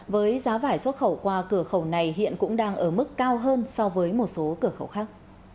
với giá vải xuất khẩu qua cửa khẩu này hiện cũng đang ở mức cao hơn so với một số cửa khẩu khác